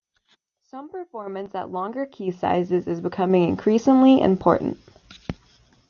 Some performance at longer key sizes is becoming increasingly important.